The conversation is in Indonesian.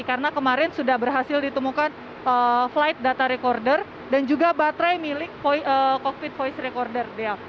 karena kemarin sudah berhasil ditemukan flight data recorder dan juga baterai milik cockpit voice recorder dea